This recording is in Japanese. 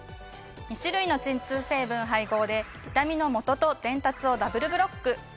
２種類の鎮痛成分配合で痛みのもとと伝達をダブルブロック。